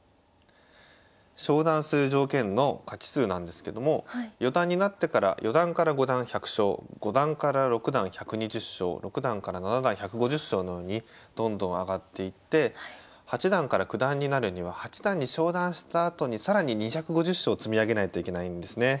昇段する条件の勝ち数なんですけども四段になってから四段から五段１００勝五段から六段１２０勝六段から七段１５０勝のようにどんどん上がっていって八段から九段になるには八段に昇段したあとに更に２５０勝積み上げないといけないんですね。